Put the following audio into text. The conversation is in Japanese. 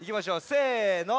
せの。